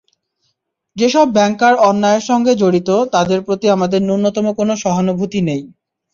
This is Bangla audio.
যেসব ব্যাংকার অন্যায়ের সঙ্গে জড়িত, তাঁদের প্রতি আমাদের ন্যূনতম কোনো সহানুভূতি নেই।